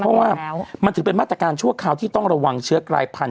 เพราะว่ามันถือเป็นมาตรการชั่วคราวที่ต้องระวังเชื้อกลายพันธ